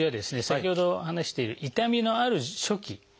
先ほど話している痛みのある初期